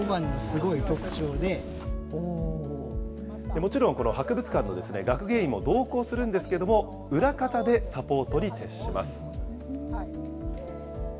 もちろん博物館の学芸員も同行するんですけれども、裏方でサポートに徹します。